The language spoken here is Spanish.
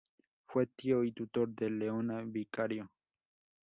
Fue tío y tutor de Leona Vicario.